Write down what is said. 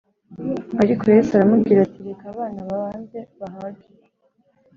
Ariko Yesu aramubwira ati reka abana babanze bahage